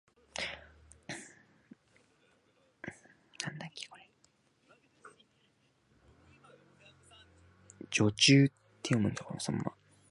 女中たちも、男物の長靴をはいてばたばた音を立てながら、何かをもってきたり、もち去ったりするためにしょっちゅうやってくるのだった。